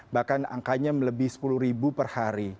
bahkan angkanya melebih sepuluh ribu per hari